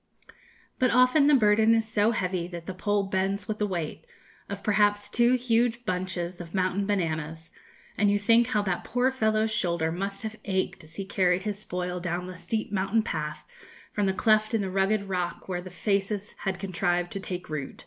"But often the burden is so heavy that the pole bends with the weight of perhaps two huge bunches of mountain bananas, and you think how that poor fellow's shoulder must have ached as he carried his spoil down the steep mountain path from the cleft in the rugged rock where the faces had contrived to take root.